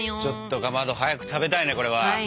ちょっとかまど早く食べたいねこれは。